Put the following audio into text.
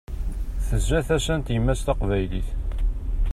Tezza tasa n tyemmat taqbaylit.